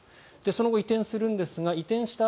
その後、移転するんですが移転した